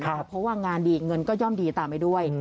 เพราะว่างานดีเงินก็ย่อมดีตามไปด้วย